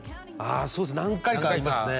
そうですね何回かありますね